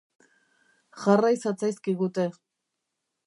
Jarrai zatzaizkigute.